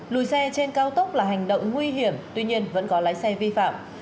lùi xe trên cao tốc là hành động nguy hiểm tuy nhiên vẫn có lái xe vi phạm